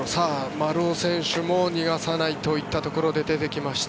丸尾選手も逃がさないといったところで出てきました。